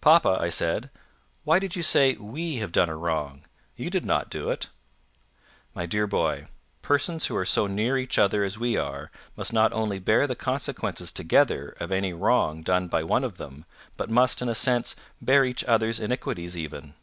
"Papa," I said, "why did you say we have done a wrong? You did not do it." "My dear boy, persons who are so near each other as we are, must not only bear the consequences together of any wrong done by one of them, but must, in a sense, bear each other's iniquities even.